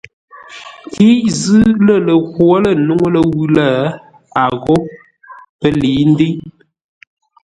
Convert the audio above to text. Ghíʼ zʉ́ lə̂ lə ghwǒ lə̂ nuŋú ləwʉ̂ lə̂, a ghó pə́ lə̌i ndə́iʼ.